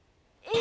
え？